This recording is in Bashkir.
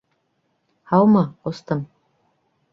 Һаумы, ҡустым...